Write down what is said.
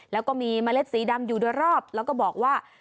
แล้วก็มีเมล็ดสีดำอยู่โดยรอบแล้วก็บอกว่า